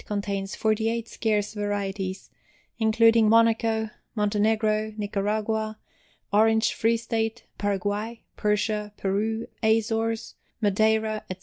Contains 48 scarce varieties, including Monaco, Montenegro, Nicaragua, Orange Free State, Paraguay, Persia, Peru, Azores, Madeira, etc.